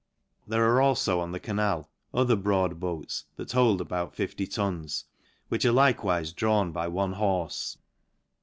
There are alfo, on the canal, other broad boats, that hold about fifty tons, which are Hkewife drawn by one horfe.